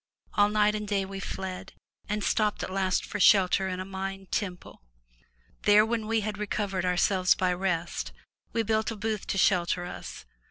All night and day we fled, and stopped at last for shelter in a mined temple. There, when we had recovered ourselves by rest, we built a booth to shelter us.